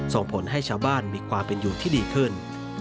ส่งผลให้ชาวบ้านมีความเป็นอยู่ที่ดีขึ้น